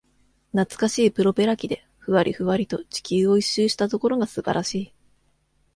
なつかしいプロペラ機で、ふわりふわりと、地球を一周したところがすばらしい。